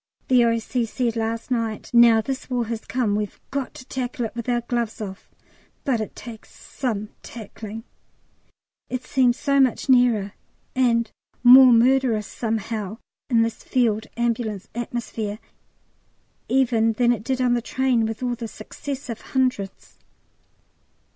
The O.C. said last night, "Now this War has come we've got to tackle it with our gloves off," but it takes some tackling. It seems so much nearer, and more murderous somehow in this Field Ambulance atmosphere even than it did on the train with all the successive hundreds.